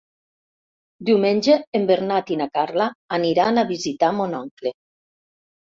Diumenge en Bernat i na Carla aniran a visitar mon oncle.